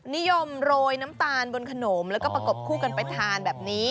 นิยมโรยน้ำตาลบนขนมแล้วก็ประกบคู่กันไปทานแบบนี้